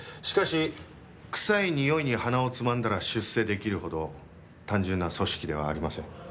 しかし臭いにおいに鼻をつまんだら出世できるほど単純な組織ではありません。